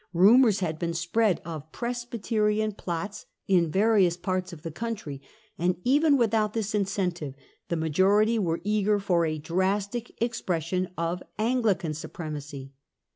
Rumours had been spread of Presbyterian plots in various parts of the country ; and even without this incentive the majority were eager for a drastic expression of Anglican supremacy.